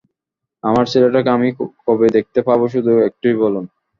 আমার ছেলেটাকে আমি কবে দেখতে পাবো শুধু এটুকুই বলুন।